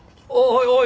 おいおい